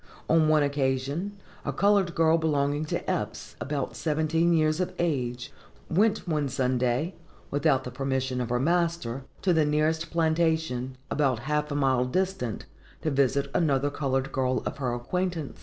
On one occasion, a colored girl belonging to Eppes, about seventeen years of age, went one Sunday, without the permission of her master, to the nearest plantation, about half a mile distant, to visit another colored girl of her acquaintance.